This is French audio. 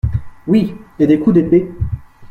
Oui, et des coups d’épée…